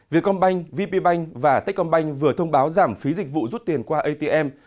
vietcombank vpbank và techcombank vừa thông báo giảm phí dịch vụ rút tiền qua atm